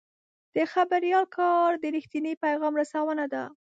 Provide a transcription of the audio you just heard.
د خبریال کار د رښتیني پیغام رسونه ده.